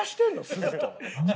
すずと。